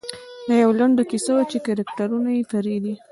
دا یوه لنډه کیسه وه چې کرکټرونه یې فرعي دي.